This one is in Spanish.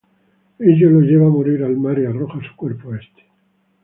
Ella lo lleva a morir al mar y arroja su cuerpo a este.